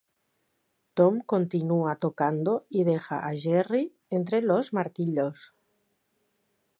Tom continúa tocando y deja a Jerry entre los martillos.